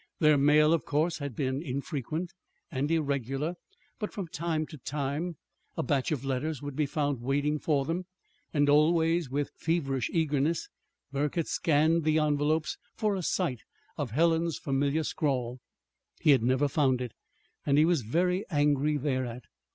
Their mail, of course, had been infrequent and irregular; but, from time to time, a batch of letters would be found waiting for them, and always, with feverish eagerness, Burke had scanned the envelopes for a sight of Helen's familiar scrawl. He had never found it, and he was very angry thereat.